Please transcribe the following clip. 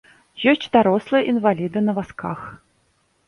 Ёсць дарослыя інваліды на вазках.